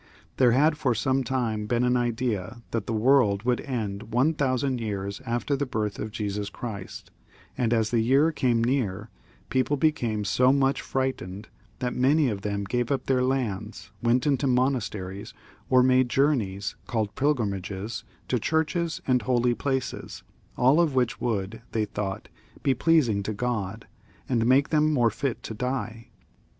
There had for some time been an idea that the world would end one thousand years after the ^irth of Jesus Christ, and as the year came near, people became so much frightened that many of them gave up their lands, went into monasteries, or made journeys called pilgrimages to churches and holy places, all of which would, they thought, be pleasing to God, and make them more fit to die.